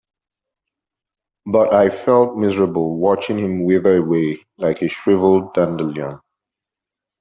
But I felt miserable watching him wither away like a shriveled dandelion.